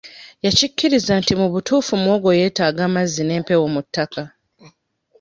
Yakkirizza nti kituufu muwogo yeetaaga amazzi n'empewo mu ttaka.